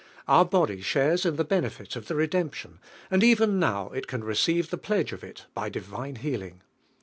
Our body shares in the benefit of the redemption, and even now it ran receive the pledge of it by di vine healing.